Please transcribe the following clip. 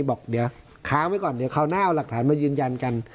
บอกเดี๋ยวค้างไว้ก่อนเดี๋ยวคราวหน้าเอาหลักฐานมายืนยันกัน